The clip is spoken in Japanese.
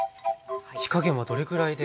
火加減はどれくらいで？